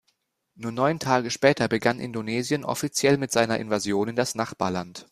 Nur neun Tage später begann Indonesien offiziell mit seiner Invasion in das Nachbarland.